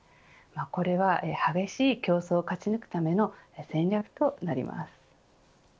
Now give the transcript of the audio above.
これは激しい競争を勝ち抜くための戦略となります。